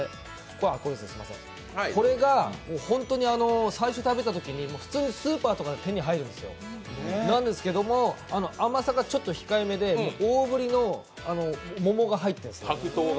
これがホントに最初食べたときに、普通にスーパーとかで手に入るんですけれども、甘さがちょっと控えめで大ぶりの桃が入ってるんですよ。